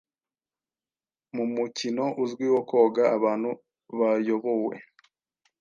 mu mukino uzwi wo koga-abantu bayobowe